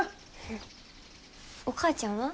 お母ちゃんは？